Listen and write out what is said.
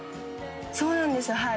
「そうなんですはい」